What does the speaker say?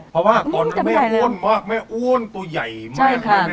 เพราะว่าก่อนไม่อ้อมมากไม่อ้วนตัวใหญ่มากไม่อ้อมมาก